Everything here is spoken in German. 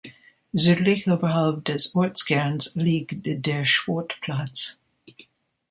Südlich oberhalb des Ortskerns liegt der Sportplatz.